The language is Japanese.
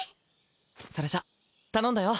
それじゃあ頼んだよ。